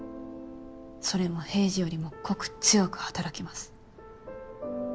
それも平時よりも濃く強く働きます。